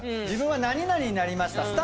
自分は何々になりました。